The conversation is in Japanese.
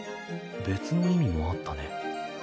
別の意味もあったね。